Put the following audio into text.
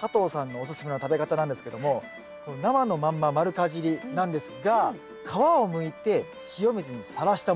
加藤さんのおすすめの食べ方なんですけども生のまんま丸かじりなんですが皮をむいて塩水にさらしたもの